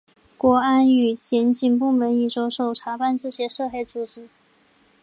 国安与检警部门已着手查办这些涉黑组织。